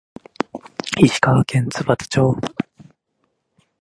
石川県津幡町